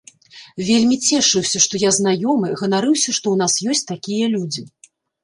Вельмі цешыўся, што я знаёмы, ганарыўся, што ў нас ёсць такія людзі.